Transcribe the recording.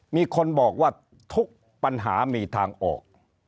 มีคนบอกว่าทุกปัญหามีทางออก